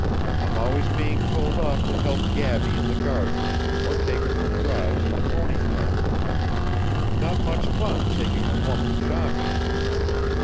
I'm always being told off to help Gaby in the garden or take her for drives in the pony cart. Not much fun taking a woman shopping!